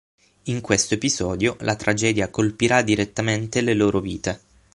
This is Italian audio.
In questo episodio la tragedia colpirà direttamente le loro vite.